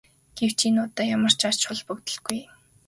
Гэвч энэ одоо ямар ч ач холбогдолгүй.